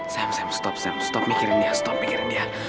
sam sam stop sam stop mikirin dia stop mikirin dia